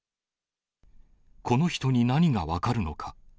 この人に何が分かるのか。